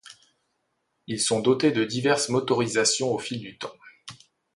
Ils sont dotés de diverses motorisations au fil du temps.